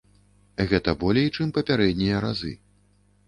Гэта болей, чым папярэднія разы.